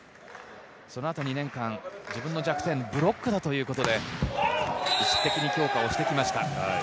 その後、２年間、自分の弱点ブロックだということで、意識的に強化してきました。